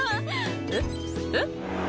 「えっ？えっ？」